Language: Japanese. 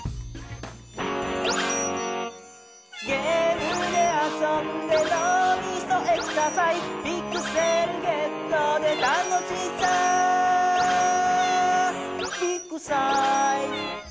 「ゲームであそんでのうみそエクササイズ」「ピクセルゲットで楽しさビッグサイズ」